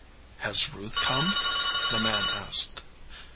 "Has Ruth come?" the man asked.